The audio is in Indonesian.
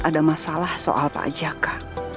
ada masalah soal pak jaka